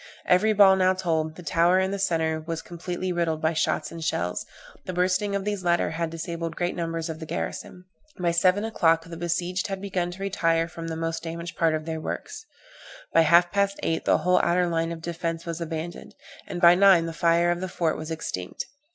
Every ball now told the tower in the centre was completely riddled by shots and shells; the bursting of these latter had disabled great numbers of the garrison. By seven o'clock the besieged had begun to retire from the most damaged part of their works; by half past eight the whole outer line of defence was abandoned, and by nine the fire of the fort was extinct.